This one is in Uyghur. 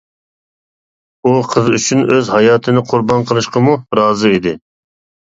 ئۇ قىز ئۈچۈن ئۆز ھاياتىنى قۇربان قىلىشقىمۇ رازى ئىدى.